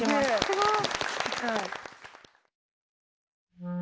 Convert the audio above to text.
すごい。